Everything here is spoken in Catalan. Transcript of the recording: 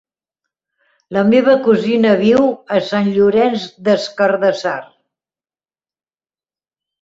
La meva cosina viu a Sant Llorenç des Cardassar.